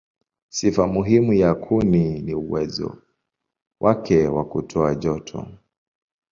Sifa muhimu ya kuni ni uwezo wake wa kutoa joto.